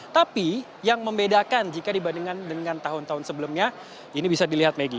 tapi yang membedakan jika dibandingkan dengan tahun tahun sebelumnya ini bisa dilihat maggie